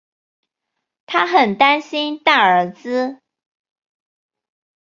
她很担心大儿子